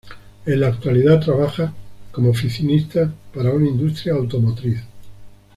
En la actualidad trabaja como oficinista para una industria automotriz.